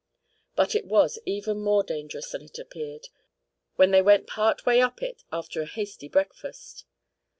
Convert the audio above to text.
But it was even more dangerous than it appeared, when they went part way up it after a hasty breakfast.